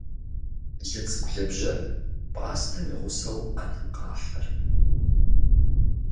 Лыцӏыкӏу лыбжьэр пӏастэм и гъусэу ӏэнэм къахьыр.